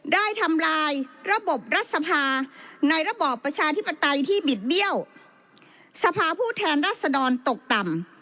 ทำลายระบบรัฐสภาในระบอบประชาธิปไตยที่บิดเบี้ยวสภาผู้แทนรัศดรตกต่ำ